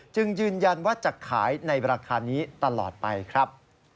จึงยืนยันว่าจะขายในราคานี้ตลอดไปครับ